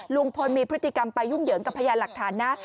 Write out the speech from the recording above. ลุงพลมีพฤติกรรมไปยุ่งเหยิงกับพยานหลักฐานนะ